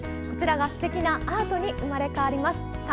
こちらが、すてきなアートに生まれ変わります。